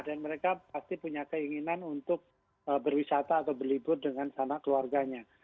dan mereka pasti punya keinginan untuk berwisata atau berlibur dengan anak keluarganya